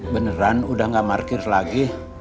beneran udah gak parkir lagi